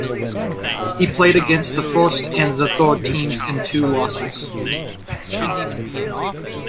He played against the first and the third teams in two losses.